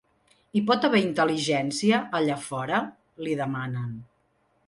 Hi pot haver intel·ligència, allà fora?, li demanen.